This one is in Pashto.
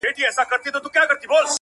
نور به له پالنګ څخه د جنګ خبري نه کوو،